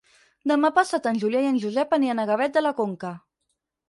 Demà passat en Julià i en Josep aniran a Gavet de la Conca.